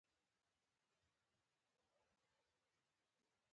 بنده ډېر زیات احتیاط وکړي.